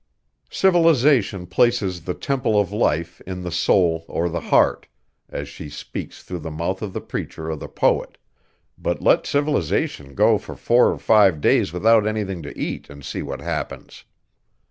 Civilization places the temple of life in the soul or the heart, as she speaks through the mouth of the preacher or the poet; but let civilization go for four or five days without anything to eat and see what happens.